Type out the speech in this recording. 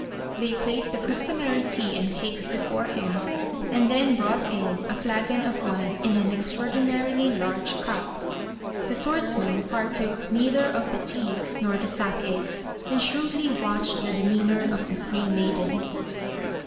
They placed the customary tea and cakes before him, and then brought in a flagon of wine and an extraordinarily large cup. The swordsman partook neither of the tea nor the sake, and shrewdly watched the demeanour of the three maidens.